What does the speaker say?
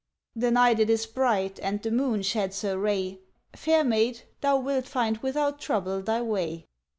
ŌĆØ ŌĆ£The night it is bright, and the moon sheds her ray, Fair maid, thou wilt find without trouble thy way.